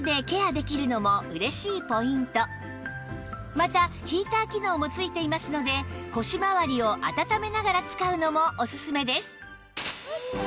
またヒーター機能も付いていますので腰まわりを温めながら使うのもおすすめです